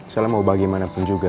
soalnya mau bagaimanapun juga